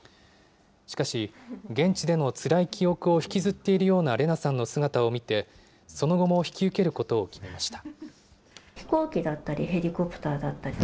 しかし、現地でのつらい記憶を引きずっているようなレナさんの姿を見て、その後も引き受けることを決めました。